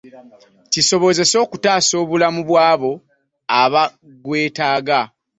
Kisobozese okutaasa obulamu bwabo abagwetaaga.